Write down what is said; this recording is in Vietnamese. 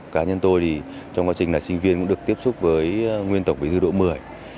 cá nhân tôi trong quá trình là sinh viên cũng được tiếp xúc với nguyên tổng bỉ thứ đổ mươi